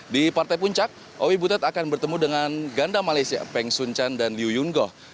di partai puncak owi butet akan bertemu dengan ganda malaysia peng sun chan dan liu yun goh